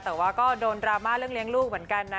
แต่ว่าก็โดนดราม่าเรื่องเลี้ยงลูกเหมือนกันนะ